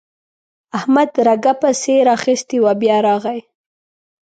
احمد رګه پسې راخيستې وه؛ بيا راغی.